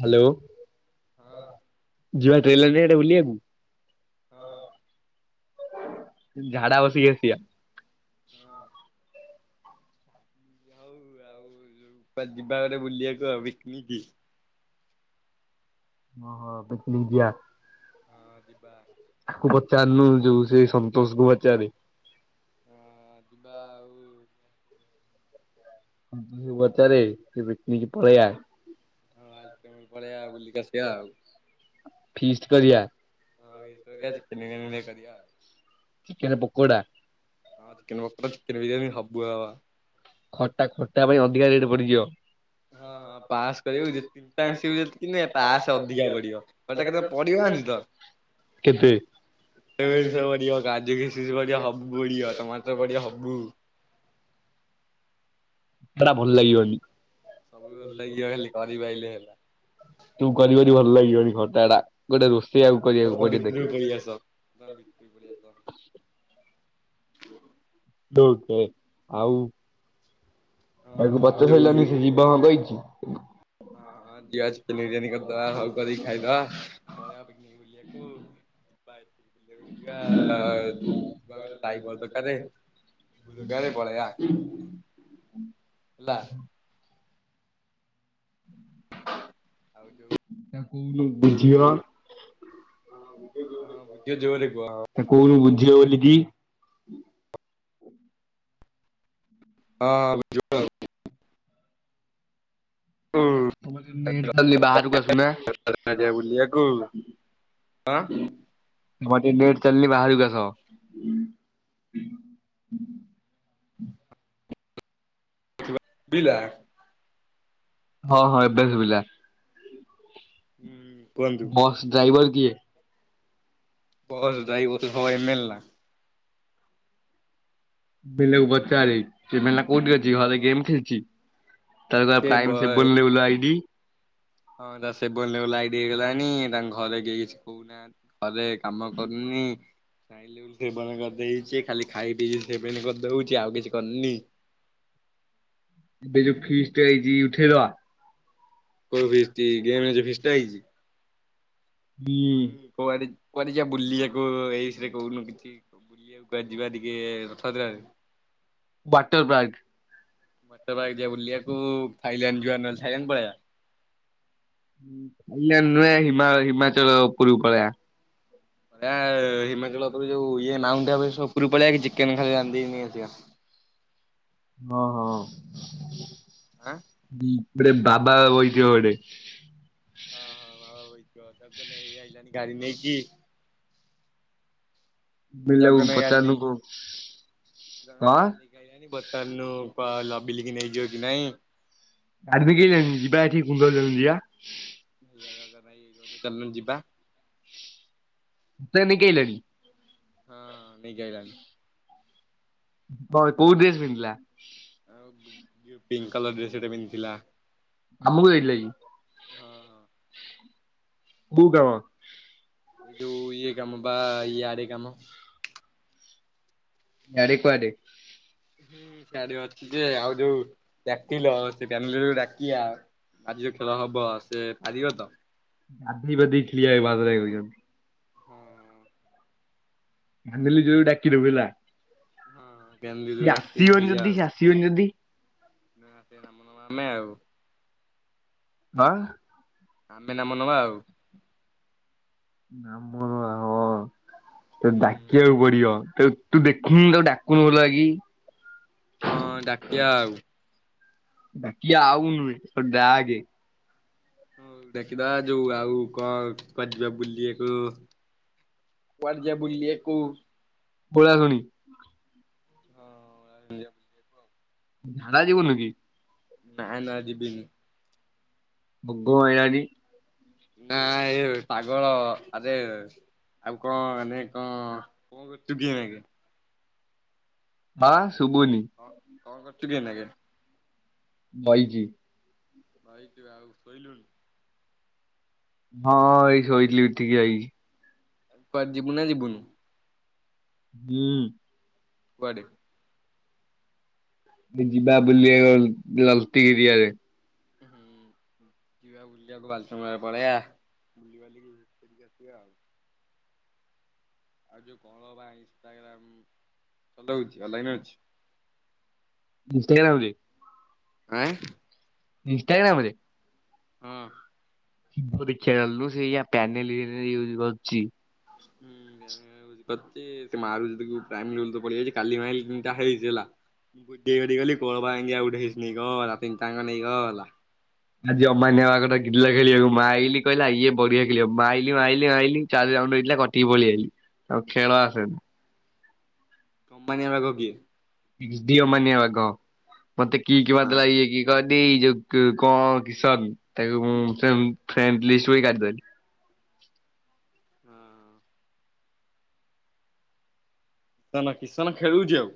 Hello. ହଁ [unintelligible] ଯିବା train ଲାଇନଆଡେ ବୁଲିବାକୁ। ହଁ [unintelligible] ଝାଡା ବସିକି ଆସିବା। ହଁ [unintelligible] ହଉ ଆଉ ବା ଯିବା ଗୋଟେ ବୁଲିବାକୁ ଆଉ ପିକନିକ। ଓ ହୋ ପିକନିକ୍ ଯିବା। ହଁ ଯିବା। ତାକୁ ପଚାରିଲୁ ଯୋଉ ସେ ସନ୍ତୋଷ କୁ ପଚାରେ। ହଁ ଯିବା ଆଉ। ସନ୍ତୋଷ କୁ ପଚାରେ କି ପିକନିକି ପଳେଇବା। ହଁ ଆଜି ପେମେଣ୍ଟ ପଳେଇବା ବୁଲି। କି ଆସିବା ଫିଷ୍ଟ କରିବା [inaudible] [unintelligible] [unintelligible] ଚିକେନ ପକୋଡ଼ା। ହଁ ଚିକେନ ପକଡା ଚିକେନ ବିରିୟାନୀ ଖବୁ ହବ। ଖଟା ଖଟା ପାଇଁ ଅଧିକା ରେଟ୍ ପଡିଯିବ। [unintelligible] ହଁ ହଁ ପାସ୍ କରୁବୁ ଯେ [unintelligible] ପାସ୍ ଅଧିକା ପଡିବ। କେ ପଡିବ ଜାଣିଚୁ ତ କେତେ [unintelligible] କାଜୁ କିସମିସ ପଡିବ ହବୁ ପଡ଼ିବ ଟମାଟର ପଡିବ ହବୁ। ସେଟା ଭଲ ଲାଗିବନି। ସବୁ ଭଲ ଲାଗିବ ଖାଲି କରିପାଇଲେ ହେଲା। ତୁ କରିବରି ଭଲ ଲାଗିବନି କଣ। ଟାଡ ଗୋଟେ ରୋଷେ ବା ତମେ ଭିତ୍ରୁକୁ ପଳେଇ ଆସ। [inaudible] [unintelligible] ଆଉ। ହଁ ତାକୁ ଆଉ ପଚାରି ଯୋଉ ସାରିଲନି ସେ ଯିବ ହଁ [unintelligible] ଖାଇଦବା। କହିଛି ବାଏ। [unintelligible] ତାଇପର ଦରକାର ସ ଦରକାର ପଳେଇବା। ହେଲା। ଆଉ ଯୋଉ ତାକୁ କୋଉନୁ ବୁଝିବ। ହଁ ବୁଝିବ ଜୋରେ କୁଅ? ଝିବ ବୋଲିକି। ହଁ ହଁ ବୁଝିବ ଆଉ। ତମର ଟିକେ ନେଟ୍ ଚକୁନି ବାହାରକୁ ଆସୁନା। ଆଁ? ତମର ଟିକେ ନେଟ ଚାଲୁନି ବାହାରକୁ ଆସ। ବିଲା। ହଁ ହଁ ଏବେ ଶୁଭିଲା। ହୁଁ। କୁହନ୍ତୁ ବସ୍ ଡ୍ରାଇଭର। କିଏ? [unintelligible] ବେଲେ। [unintelligible] କଉଠି ଅଛି ନା ଘରେ ଗେମ୍ ଖେଳଛି। ତା ପ୍ରାଇମ ସେ ବନ ବଲ ଆଇଡି। ହଁ ତା ସେବନାଇଦଗଲାଣି ତାଙ୍କ ଘରେ କିଏ କିଛି କହୁନା ଘରେ କାମ କରୁନି ଖାଇଲେ ସେବନ କରିଦେଇଛି ଖାଲି ଖାଇ ପିଇକି ସେନ କରିଦଉଛି ଆଉ କିଛି କରିନି। ବ ଯୋ ଫିଜ ଟ ଆଇଛି ଉଠେଇ ଦେବା। କଉ ଫିସ୍ ଗେମ ଫିସ୍ ଟଇଛି। [unintelligible] କୁଆଡେ ଯିବା ବୁଲି ଯକୁ ଏଇରେ କହୁନୁ କିଛି ବୁଲିବାକୁ କୁଆଡେ ଯିବା ଟିକେ ରଥା ଯାତ୍ରା ରେ। ବାୱଟର ବ୍ୟାଗ। ମଟର ବାଗ ଯେ ବଲିଆକୁ ଫାଇଲେଣ୍ଡ ଯ ନ ଖାଇଲେ ପଳା। ଆଇଲ ନୁହେ ହମା ହିମାଚଳ ଉପୂୁର ପଡଆ। ଆ ହିମାଚଳ ଉପ ଯୋଉ ଇଏଁ ମାଉଣ୍ଟ ଉପରୁ ପଳେଇ କି ଚିକେନ ଖାଲି ରାଧିନି ଆସିବା। ହଁ ହଁ। ହୁଁ। ଗୋଟେ ବାବା ବହିଥିବ ଗୋଟେ। ହଁ ହଁ ବାବା ବାଇଥିବ ତା ହେଇ ଆଇିଲଣି ଗାଡି ନେଇକି। ବେଲାକୁ ଜଗନ ଆଇ ଗାଡି ପଚାରୁନୁ ନେଇକି କୋଉ ଜଗନ୍ନା ହଁ ଗଡି ନେଇକି ଆଇଲାନି ପଚନୁ। ଲବିଲ କି ନେଇଯିବ କି ନାଇଁ? ଗାଡିରେ କିଏ ଯାଇଛନ୍ତି ଯିବା ଏଠି କୁନ୍ଦ ଯିବା। ଏଇଆ ଦରକାର ନାହିଁ ଚାଲୁନ ଯିବା। ମତେ ଦେଖେଇଲାଣି। ହଁ ନେଇକି ଆଇଲାଣି। ହଁ କୋଉ ଡ୍ରେସ୍ ପିନ୍ଧିଲା? ଆଉ ଯୋଉ ପିଙ୍କ୍ କଲର ଡ୍ରେସ୍ ଗୋଟେ ପିନ୍ଧିଥିଲା। ଆମ ଘରୁକୁ ଯାଇଥିଲା କି? ହଁ ହଁ। କୋଉଟା ମ। ଏ ଯୋଉ ଇଏ କାମ ବା ଇଆଡେ କାମ। ଆଡେ କୁଆଡେ? ହୁଁ ସେଡେ ଅଛି ଯେ ଆଉ ଯୋଉ ଡାକିଲ ସେଠି ଆମେ ଯେତେବେଳେ ଡାକିଆ ଆଜି ଯୋଉ ଖେଳ ହବ ସେ ପାରିବ ତ? ଗାଧେଇ ପାଧେଇ ଠିଆ ହେବାକୁ କହିଲେ। ହୁଁ। ମାନେଲି ଯୋରେ ଡାକି ଦବୁ ହେଲା। ହଁ। ଫ୍ୟାମିଲିରୁ ସିଏ ଡାକିକି ଆସିବନି ଯଦି ସିଏ ଆସିବିନି ଯଦି? ଲାଷ୍ଟ୍ ରେ ନାମ ନବା ଆମେ ଆଉ। ହାଁ। ଆମେ ନାମ ନବା ଆଉ। ନାମ ହଁ। ତେତେ ହୁଁ ଆଉ ଡାକିବାକୁ ପଡିବ ତ ତୁ ଦେଖୁନୁ ତାକୁ ଡାକୁନୁ ଭଲକି। ହଁ ଡାକିଆ ଆଉ। ଡାକିଆ ଆଉ ନୁହେଁ ଡାକେ। ହଁ ଡାକିଦବା ଯୋଉ ଆଉ କଣ କୁଆଡେ ଯିବା ବୁଲିଆକୁ କୁଆଡେ ଯିବା ବୁଲିଆକୁ? ପଳାଶୁଣି। ହଁ ଆ ଯିବା ବୁଲିବାକୁ। ଝାଡା ଯିବୁନୁ କି? ନା ନା ଯିବିିନି। ଭୋଗ ଆଣିଲନି। ନା ଏ ପାଗଳ ଆରେ ଆଉ କଣ ମାନେ କଣ କଣ କରୁଛୁ କି ଏଇନେ କି। ବାଁସ ସୁବୁନି। କଣ କରୁଛୁ କି ଏଇନା କେ। ବଇଛି। ବଇଛୁ ଆଉ ଶୋଇଲୁନି? ହଁ ଏଇ ଶୋଇଥିଲି ଉଠିକି ଆଇଲି। କୁଆଡେ ଯିବୁ ନା ଯିବୁନୁ? ହୁଁ। କୁଆଡେ? ଯିବା ବୁଲିଆକୁ ଗଲତି ଏରିଆରେ। ହୁଁ ଯିବା ବୁଲିବାକୁ ବଟ ମଙ୍ଗଳା ପଳେଇଆ ବୁଲିବାଲିକି ସେଉଠୁ ଆସିବା ଆଉ। ଆଉ ଯୋଉ କଣ ବା ଇନଷ୍ଟାଗ୍ରାମ୍ ଚଲଉଛି ଅନଲାଇନ୍ ଅଛି? ଇନଷ୍ଟାଗ୍ରାମ୍ ରେ? ଆଁ। ଇନଷ୍ଟାଗ୍ରାମ୍ ରେ। ହଁ। ଦେଖିଆ ଗଲନୁ ସେ ପ୍ୟାନେଲ ୟୁଜ କରୁଛି। [unintelligible] ଆଜି ଅମାନ୍ୟ ବାଗଟା ଗିିଲା ଖେଳିବାକୁ ମା ଆଇି କହିଲା ଇଏ ବଢିଆ ଖେଳ ମାଇଇଇ ଚାରି ରାଉଣ୍ଡିଲା କଟିକି ପଳେଇଆଇଲି ଆଉ ଖେଳ ଆସେନି। କମ୍ପାନୀ ଭାଗ କିଏ? ଦିଅ ମାନ ବାଗ ମତେ କି କି ବା ବଦ ଲାଇେ କିଏ। [unintelligible] [unintelligible] ହଁ। କିସନ କିଶନ ଖେଳୁଛି ଆଉ?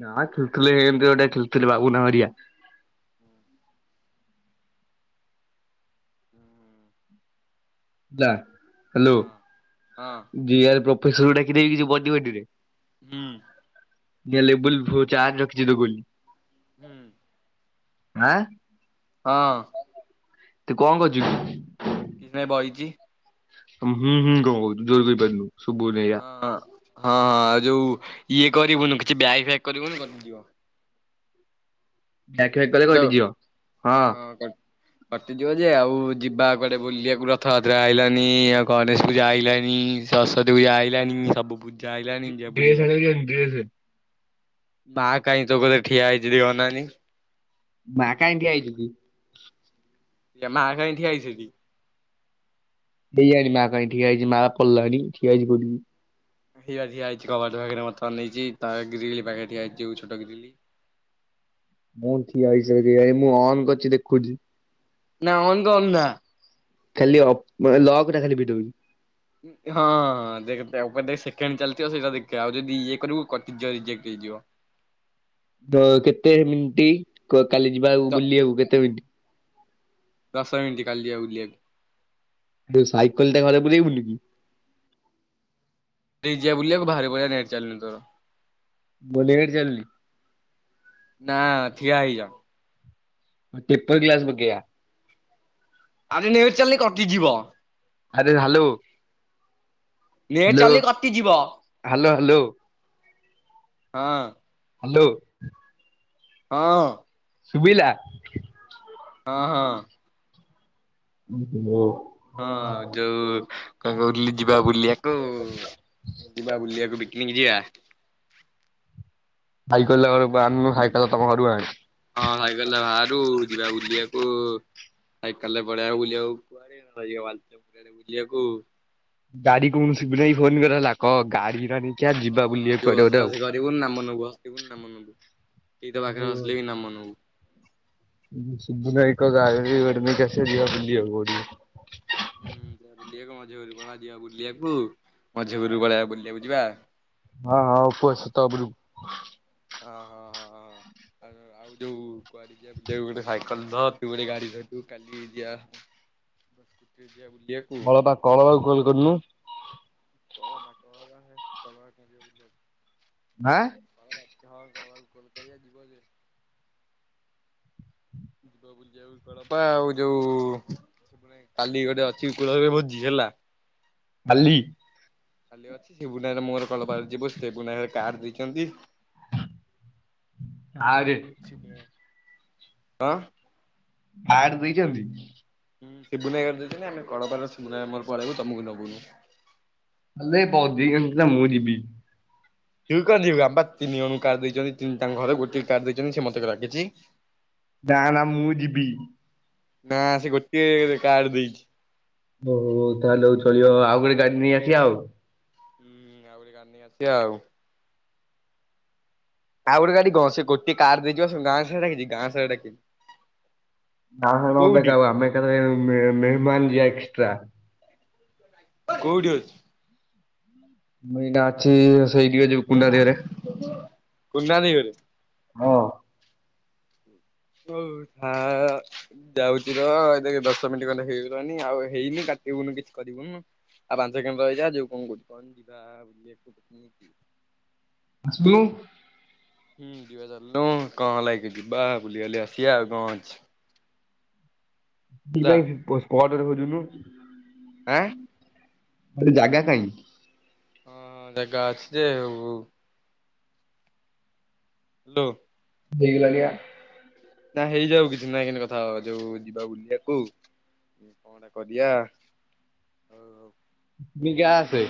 ନା ଖେଳୁଥିଲେମତି ଗୋଟେ ଖେଳଥିଲେ ବାବୁନା ହରିଆ ଯା ହ୍ୟାଲୋ। ହଁ ହଁ [unintelligible] ପସ ଡାକି ଦେଇକିଛି ବଡିରେ ହୁଁ। ନିଲେ ବୁଲ ଚାଜ ରଖିଛି ଦ ଗୋଲି ହୁଁ। ଆଁ। ହଁ। ତୁ କଣ କରୁଛୁ? କିଛିନ ବଇଛି। ହୁଁ ହୁଁ କଣ କହୁଛୁ ଜୋର ବି ପାରିଲୁ ହଁ ହଁ ହଁ ଆଉ ଯୋଉ ଇଏ କରିବୁନି କିଛି ବ୍ୟାଇ ଫି୍ୟା କରିବୁନି କଣ ଯିବ। ବ୍ୟାକ୍ ଫ୍ୟାକ୍ କଲେ ହ୍ୟାଲୋ କଟିଯିବ ହଁ କଟି ଜୀବଜେ ଆଉ ଯିବା କୁଆଡ଼େ ବୁଲିବାକୁ ରଥଯାତ୍ରା ହେଇଲାନି ଆଉ ଗଣେଶ ପୂଜା ହେଇିଲାନି ସରସ୍ଵତୀ ପୂଜା ଆଇଲାନି ସବୁ ପୂ ଡ୍ରେସ ଆଇଲାଣି ଡ୍ରେସ? [unintelligible] ମା କାଇଡି ଆଇଚୁ ତୁ [inaudible] ଏ ମା କାଇଁ ଠିଆ ହେଇଛୁ ଏଠି? ହେଇଆଣି ମା କା ଠିଆ ହେଇଛି ମା ପଡିଲାଣି ଠିଆ ହେଇଛି ପଡିବି ଇଆ ଠିଆ ହେଇଛି କବାଟ ପାଖରେ ମତ ନେଇଛି ତା ଗିଲ ପାଖରେ ଠିଆ ହେଇଛି ଛୋଟ ଗିଲ। ମୁଁ ଠିଆ ହେଇସାର ମୁଁ ଅନ କରିଛି ଦେଖୁଛି। ନା ଅଉନ କ ନ୍ଅନ୍ଧା ଖାଲି ଅ ଲକ ଟା ଫିଟେଇ ଦୋବୁ। ହଁ ଦେଖ ସେକେଣ୍ଡ ଚାଲିଥିବ ସେଇଟା ଦେଖିବା ଆଉ ଯଦି ଇଏ କରିବୁ କଟିଯିବ ରଜେକ୍ଟ ହେଇଯିବ। [inaudible] ବେ କେତେ ମିନିଟ? କୁହ କାଲି ଯିବାକୁ ଦ ବୁଲିବାକୁ କେତେ ମିଟି ଦଶ ମିିନିଟେ କାଲି ଆଉ ଜିଆକୁ ଦେଇ ସାଇକେଲଟା ଘରେ ପୁରେଇ ଦେଲୁକି? [inaudible] ଯ ବୁଲିବାକୁ ବାହାରି ପଆ ନେଟ ଚାଲୁନି ତୋର। ବଲେଗଡ଼ ଚାଲିଲି ନା ଠିଆ ହେଇଯାଅ। ପେପର ଗ୍ଲାସ ପକେଇବା। ଆଜି ନେଟ ଚାଲୁନି କଟିଯିବ। ଆରେ ହ୍ୟାଲୋ। ନେଟ୍ ହ୍ୟାଲୋ ଚାଲିଲେ କଟିଯିବ ହ୍ୟାଲୋ ହ୍ୟାଲୋ। ହଁ। ହ୍ୟାଲୋ। ହଁ। ଶୁବିଲା? ହଁ ହଁ। [unintelligible] ହଁ ଆଉ ଯୋଉ କଣ କହୁଥିଲି ଯିବା ବୁଲିବାକୁ ଯିବା ବୁଲିବାକୁ ପି ନିିକ ଯିବା। ଭାଇ କହିଲା [unintelligible] ଭାଇ କହିଲା ତମ ଘରକୁ ଆଣ ହଁ ଭାଇ କହିଲା ବାହାରୁ ଯିବା ବୁଲିଆକୁ ଭାଇ କହିଲା [unintelligible] ବୁଲିଆକୁ। ଗାଡି କୌଣସି ମୁଳୁନାହିଁ ଫୋନ କର ହେଲା କହ ଗାଡି ନାହିଁ। ହଁ ଆଉ ଯୋଉ ହସ ହସି କରିବୁନି ନା ମନବୁ ହସିବୁନ ନା ମନବୁ ଏଇ ତ ପାଖରେ ହସିଲେ ବି ନା ମନେ ହବୁ। ଶିବୁନୁ ଭାଇକି କହ ଗାଡି ଗୋଟେ ନେଇକି ଆସିବ ଯିବା ବୁଲିବାକୁ କୋଉଠିକି। ହୁଁ ବୁଲିବାକୁ ମଝି ଘୁରକୁ ଯିବା ବୁଲିବାକୁ ମଝି ଘରକୁ ପଳେଇବାକୁ ବୁଲିବାକୁ ଯିବା। ହଁ ହଁ ଉପୁସ୍ଥିତ ରୁ ହଁ ହଁ ଆଉ ଯୋଉ କୁଆଡେ ଯିବା ବୁଲିବାକୁ ଗୋଟେ ସାଇକେଲ ଧଅ ତୁ ଗୋଟେ ଗାଡି ଧରିଵୁ କାଲି ଯିବା [unintelligible] [unintelligible] [unintelligible] ଆଁ। କଳବା ହଁ ଗଲା ବେଳକୁ କଲ୍ କରିବା ଯିବ ସେ । [unintelligible] ଯୋଉ କାଲି ଗୋଟେ କୁଳ ଘରେ ଭୋଜି ହେଲା। କାଲି? କାଲି ଅଛି ସିପୁନା ମୋର [unintelligible] ସିପୁନା ଘର କାର୍ଡ ଦେଇଛନ୍ତି। [unintelligible] କଣ । କାର୍ଡ ଦେଇଛନ୍ତି? ହୁଁ ସିବୁନା ଭାଇ ଘର ଦେଇଥିଲେ ଆମେ କଳପାର, ଶିବୁନା ଭାଇର ମୋର ପଳେଇବୁ ତମକୁ ନବୁନୁ । ହେଲେ [unintelligible] ମୁଁ ଯିବି। ତୁ କଣ ଯିବୁ ଆମୁକୁ ପା ତିନି ଜଣୁ କାର୍ଡ ଦେଇଛନ୍ତି ତାଙ୍କ ଘରେ ଗୋଟିଏ କାର୍ଡ ଦେଇଛନ୍ତି ସେ ମତେ ଡାକିଛି। ନା ନା ମୁଁ ଯିବି। ନା ସେ ଗୋଟେ କାର୍ଡ ଦେଇଛି। ହୋଉ, ହୋଉ ତାହେଲେ ଚଳିବ ଆଉ ଗୋଟେ ଗାଡି ନେଇ ଆସିବା ଆଉ। ହୁଁ ଆଉ ଗୋଟେ ଗାଡ଼ି ନେଇ ଆସିବା ଆଉ। ଆଉ ଗୋଟେ ଗାଡି ଙ୍କ ସେ ଗୋଟଏ କାର୍ ଦେଇଚି ବା ସେ ଗାଁ ସାରା ଡାକିଛି ସେ ଗାଁ ସାରା ଡାକିନି। [unintelligible] ଆମେ ଏକାଥରେ ମେ ମେହେମାନ ଯିବା ଏ [unintelligible] କୋଉଠି ଅଛୁ? ମୁଁ ଅନା ଅଛି [unintelligible] [unintelligible] ହଁ। ହଉ ଯାଉଛି। ଏ ଦଶ ମିନିଟ ଖଣ୍ଡେ ହେଇଗଲାଣିି। ଆଉ ହେଇନି କାଟିବୁନୁ। କିଛି କରିବୁନୁ। ଆଉ ପାଞ୍ଚ ସେକେଣ୍ଡ, ରହିଯା। ଆସୁନୁ। ହୁଁ ଯିବା ଚାଲୁନୁ। ହୁଁ କଁ ହେଲାକି ଯିବା ବୁଲିଵାଲି ଆସିବା। କଁ ଅଛି। ହେଲା [unintelligible] [unintelligible] ଆଁ। ଆରେ ଜାଗା କାହିଁ? [unintelligible] [unintelligible] ହେଇଗଲାଣି । ନା ହେଇଯାଉ କିଛି ନାହିଁ। ଏମିତି କଥା ହବା। ଯୋଉ ଯିବା ବୁଲିବାକୁ। ତୁ ଯା ଆସେ।